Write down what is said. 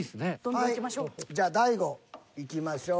はいじゃあ大悟いきましょう。